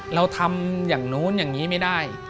เราทำอย่างนู้นอย่างนี้ไม่ได้